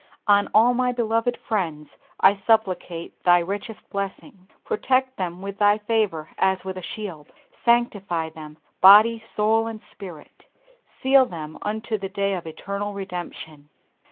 On all my beloved friends I supplicate Thy richest blessing. Protect them with Thy favor as with a shield. Sanctify them, body, soul, and spirit. Seal them unto the day of eternal redemption.